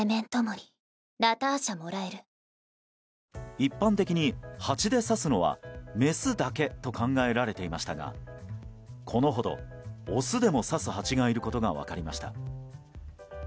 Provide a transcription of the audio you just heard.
一般的にハチで刺すのはメスだけと考えられていましたがこのほど、オスでも刺すハチがいることが分かりました。